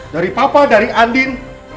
dari papa dari andin